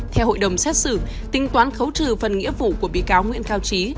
theo hội đồng xét xử tính toán khấu trừ phần nghĩa vụ của bị cáo nguyễn cao trí